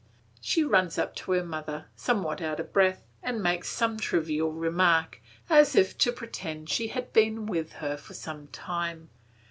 She runs up to her mother, somewhat out of breath, and makes some trivial remark, as if to pretend she had been with her for some time.